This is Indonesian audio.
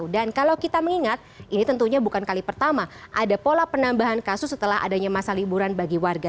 dan kalau kita mengingat ini tentunya bukan kali pertama ada pola penambahan kasus setelah adanya masa liburan bagi warga